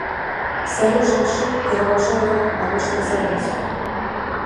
Сярод жанчын пераважае рак малочнай залозы.